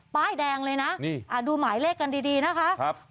ป้ายแดงเลยนะนี่ดูหมายเลขกันดีนะคะ